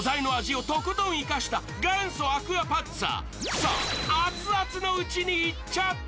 さぁ、熱々のうちにいっちゃって。